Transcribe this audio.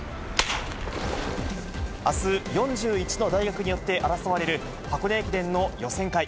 あす４１の大学によって争われる、箱根駅伝の予選会。